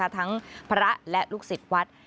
ทั้งพระและลูกศิษย์วัด